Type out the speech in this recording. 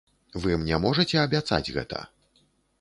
Вы мне можаце абяцаць гэта?